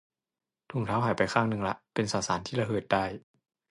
ถุงเท้าหายไปข้างนึงละ เป็นสสารที่ระเหิดได้